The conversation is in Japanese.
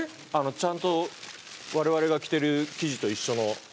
ちゃんと我々が着てる生地と一緒の。